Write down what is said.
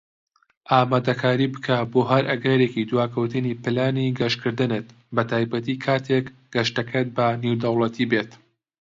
ئامادەکاری بکە بۆ هەر ئەگەرێکی دواکەوتنی پلانی گەشتکردنت، بەتایبەتی کاتیک گەشتەکەت بە نێودەوڵەتی بێت.